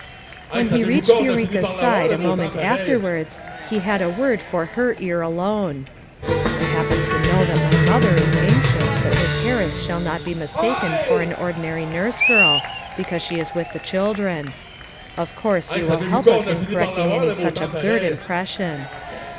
When he reached Eureka's side a moment afterwards he had a word for her ear alone. "I happen to know that my mother is anxious that Miss Harris shall not be mistaken for an ordinary nurse girl because she is with the children. Of course you will help us in correcting any such absurd impression."